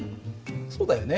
そうだよね。